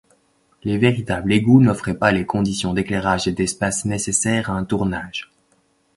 Les véritables égouts n'offraient pas les conditions d'éclairage et d'espace nécessaire à un tournage.